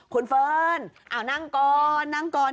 คุณเฟิร์นนั่งก่อนนั่งก่อน